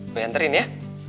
bibi nganterin ya